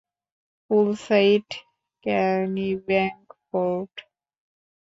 Poolside, ক্যানিবাংকপোর্ট।